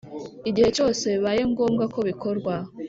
igihe cyose bibaye ngombwa ko bikorwa